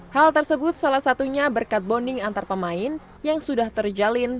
hal tersebut salah satunya berkat bonding antar pemain yang sudah terjalin